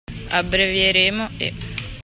Abbrevieremmo e.